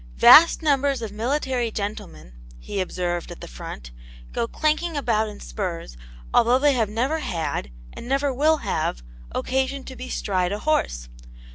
Vast numbers of military gentlemen (he observed at the front) go clanking about in spurs although they have never had and never will have occasion to bestride a horse.